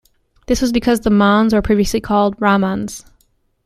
This was because the Mons were previously called Ramans.